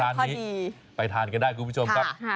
ร้านนี้ไปทานกันได้คุณผู้ชมครับ